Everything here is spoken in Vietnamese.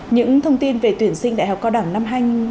những thông tin về tuyển sinh đại học cao đẳng năm hai nghìn hai mươi